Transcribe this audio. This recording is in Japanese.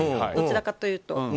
どちらかというと。